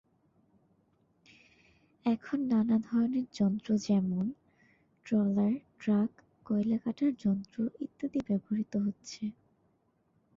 এখন নানা ধরনের যন্ত্র যেমন: ট্রলার, ট্রাক, কয়লা কাটার যন্ত্র ইত্যাদি ব্যবহৃত হচ্ছে।